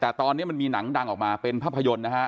แต่ตอนนี้มันมีหนังดังออกมาเป็นภาพยนตร์นะฮะ